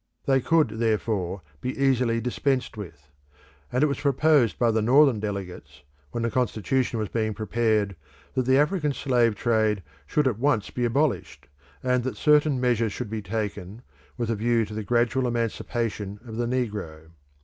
They could therefore be easily dispensed with; and it was proposed by the Northern delegates, when the Constitution was being prepared, that the African slave trade should at once be abolished, and that certain measures should be taken, with a view to the gradual emancipation of the negro.